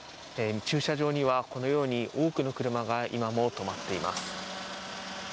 駐車場には、このように多くの車が今も止まっています。